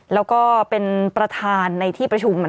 แล้วก็เป็นประธานในที่ประชุม